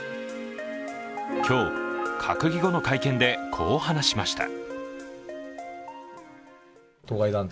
今日、閣議後の会見でこう話しました。